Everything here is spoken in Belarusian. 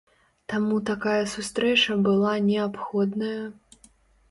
Таму такая сустрэча была неабходная.